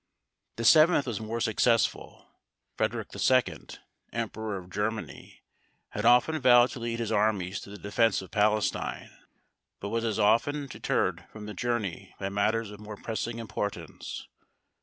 The seventh was more successful. Frederic II., emperor of Germany, had often vowed to lead his armies to the defence of Palestine, but was as often deterred from the journey by matters of more pressing importance.